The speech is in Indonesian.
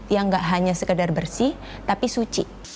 yang gak hanya sekedar bersih tapi suci